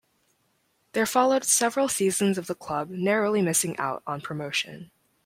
There followed several seasons of the club narrowly missing out on promotion.